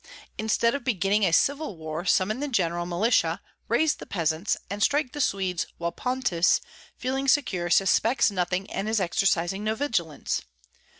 Instead of beginning a civil war, summon the general militia, raise the peasants, and strike the Swedes while Pontus, feeling secure, suspects nothing and is exercising no vigilance.